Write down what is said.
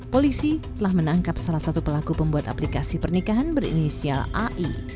polisi telah menangkap salah satu pelaku pembuat aplikasi pernikahan berinisial ai